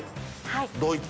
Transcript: はい。